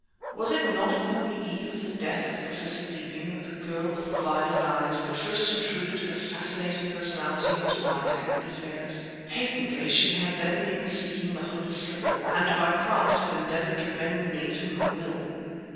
Was it not upon the eve of the death of Professor Deeping that the girl with the violet eyes had first intruded her fascinating personality into my tangled affairs? Patently, she had then been seeking the holy slipper, and by craft had endeavoured to bend me to her will.